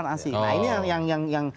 nah ini yang